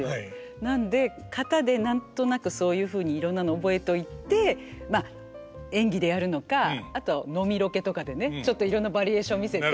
なので型で何となくそういうふうにいろんなの覚えといてまあ演技でやるのかあと飲みロケとかでねちょっといろんなバリエーション見せて。